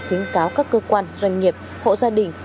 khuyến cáo các cơ quan doanh nghiệp hộ gia đình